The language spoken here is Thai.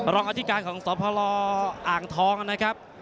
รองอธิการของสพลอ่างทองนะครับ